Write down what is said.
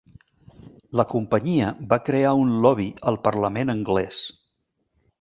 La companyia va crear un lobby al parlament anglès.